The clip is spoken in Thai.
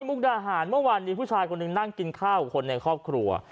มุกดาหารเมื่อวานมีผู้ชายคนหนึ่งนั่งกินข้าวกับคนในครอบครัว